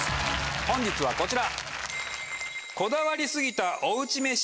本日はこちら。